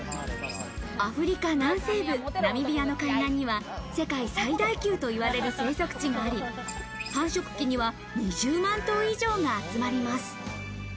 アフリカ南西部ナミビアの海岸には、世界最大級といわれる生息地があり、繁殖期には２０万頭以上が集まります。